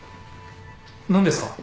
何ですか？